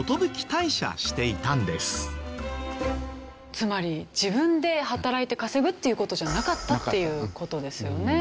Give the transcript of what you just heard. つまり自分で働いて稼ぐっていう事じゃなかったっていう事ですよね。